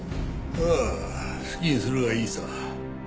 ああ好きにするがいいさ。